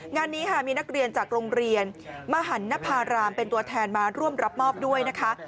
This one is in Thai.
งานนี้ค่ะมีนักเรียนจากโรงเรียนมหันนภารามเป็นตัวแทนมาร่วมรับมอบด้วยนะคะ